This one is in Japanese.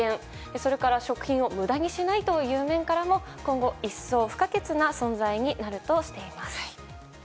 それから、食品を無駄にしないという面からも今後、一層不可欠な存在になるとしています。